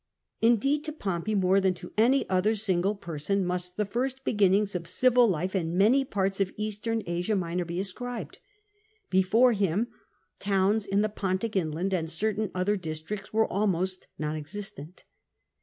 Indeed, to Pompey more than to any other single person must the first beginnings of civil life in many parts of Eastern Asia Minor be ascribed ; before him towns in the Pontic inland and certain other districts were almost non existent.